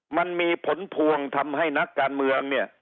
มันมีผลพวงทำให้นักการเมืองเนี่ย